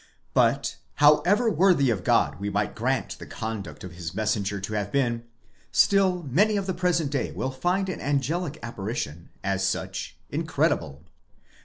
But however worthy of God we might grant the conduct of his messenger to have been, still many of the present day will find an angelic apparition, as such, incredible.